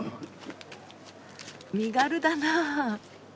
身軽だなあ。